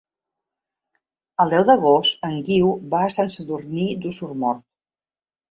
El deu d'agost en Guiu va a Sant Sadurní d'Osormort.